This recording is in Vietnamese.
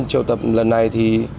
trợ tập lần này thì